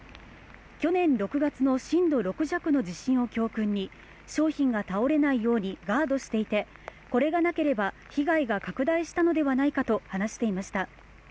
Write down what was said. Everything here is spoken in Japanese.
去年６月の震度６弱の地震を教訓に商品が倒れないようにガードしていて、これがなければ被害が拡大したのではないかと話していました。